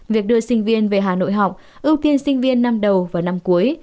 việc đưa sinh viên về hà nội học ưu tiên sinh viên năm đầu và năm cuối